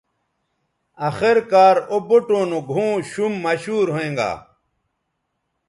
آخر کار او بوٹوں نو گھؤں شُم مشہور ھوینگا